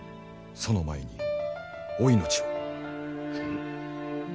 その前にお命を。